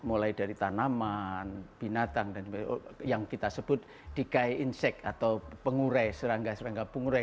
mulai dari tanaman binatang yang kita sebut dikai insek atau pengurei serangga serangga pengurei